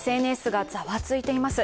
ＳＮＳがざわついています。